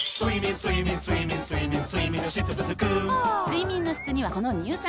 ふぁ睡眠の質にはこの乳酸菌。